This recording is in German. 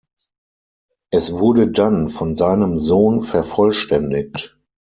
Es wurde dann von seinem Sohn vervollständigt.